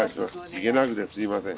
行けなくてすいません。